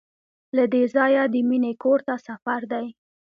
له دې ځایه د مینې کور ته سفر دی.